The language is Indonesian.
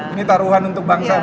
ini taruhan untuk bangsa